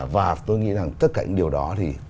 và tôi nghĩ rằng tất cả những điều đó